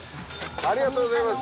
ありがとうございます。